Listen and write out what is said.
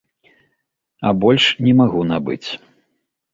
А больш не магу набыць.